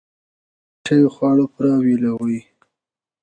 کنګل شوي خواړه پوره ویلوئ.